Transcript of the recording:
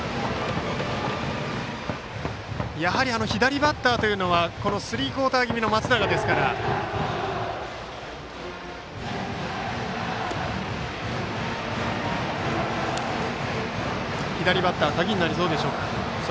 やはり左バッターというのはスリークオーター気味の松永が相手ピッチャーですから左バッターが鍵になりそうでしょうか。